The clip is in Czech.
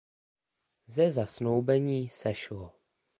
Ze zasnoubení sešlo.